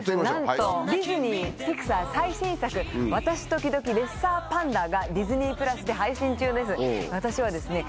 なんとディズニーピクサー最新作『私ときどきレッサーパンダ』がディズニープラスで配信中です。